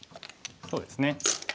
そうですね。